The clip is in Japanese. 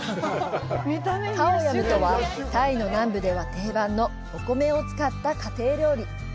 「カオヤム」とはタイの南部では定番のお米を使った家庭料理。